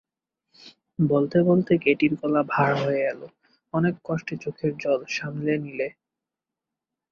বলতে বলতে কেটির গলা ভার হয়ে এল, অনেক কষ্টে চোখের জল সামলে নিলে।